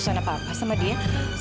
untuk apa kamu ketemu dia